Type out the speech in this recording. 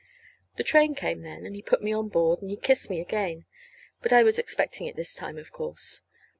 The train came then, and he put me on board, and he kissed me again but I was expecting it this time, of course.